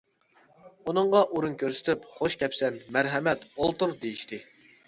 ئۇنىڭغا ئورۇن كۆرسىتىپ: «خۇش كەپسەن، مەرھەمەت، ئولتۇر» دېيىشتى.